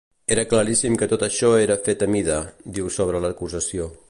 Era claríssim que tot això era fet a mida, diu sobre l’acusació.